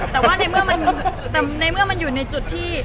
แต่เมื่อมันอยู่ในจุดที่